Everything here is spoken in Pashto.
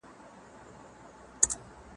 زه اوس کتابونه لوستم.